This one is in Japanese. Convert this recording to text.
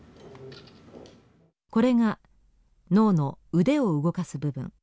これが脳の腕を動かす部分。